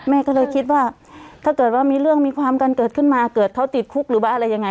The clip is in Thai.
แม่ก็เลยคิดว่าถ้าเกิดว่ามีเรื่องมีความกันเกิดขึ้นมาเกิดเขาติดคุกหรือว่าอะไรยังไง